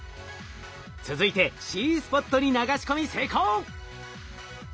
続いてＣスポットに流し込み成功。